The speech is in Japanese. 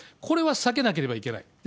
これは避けなければいけない。